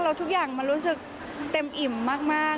แล้วทุกอย่างมันรู้สึกเต็มอิ่มมาก